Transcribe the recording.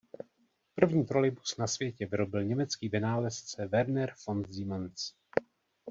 První trolejbus na světě vyrobil německý vynálezce Werner von Siemens.